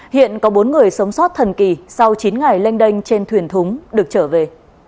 hiện có bốn người sống sót thần kỳ sau chín ngày lênh đênh trên thuyền thúng được trở về